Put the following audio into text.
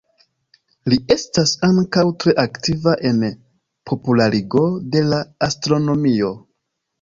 Li estas ankaŭ tre aktiva en popularigo de la astronomio.